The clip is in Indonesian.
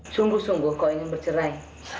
sungguh sungguh kau ingin bercerai